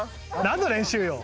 何の練習よ。